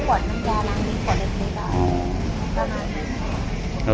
เพื่อน